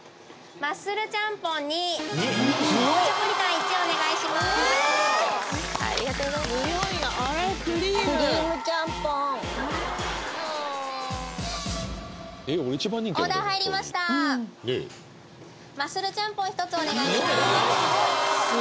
マッスルちゃんぽん１つお願いします